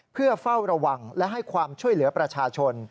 เพื่อเฝ้าระวังและให้ความช่วยเหลือประชาชน